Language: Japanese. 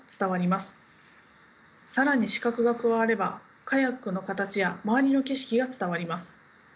更に視覚が加わればカヤックの形や周りの景色が伝わります。